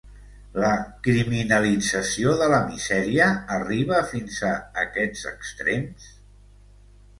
La criminalització de la misèria arriba fins a aquests extrems?